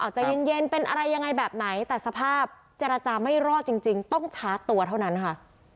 ใจเย็นเป็นอะไรยังไงแบบไหนแต่สภาพเจรจาไม่รอดจริงต้องชาร์จตัวเท่านั้นค่ะ